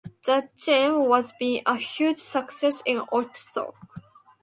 The team has been a huge success in Okotoks.